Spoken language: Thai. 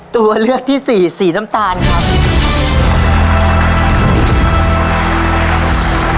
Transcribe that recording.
ตัวเลือกที่สี่สีน้ำตาลครับ